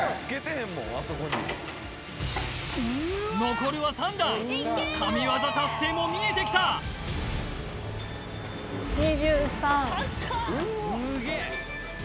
残るは３段神業達成も見えてきた２３！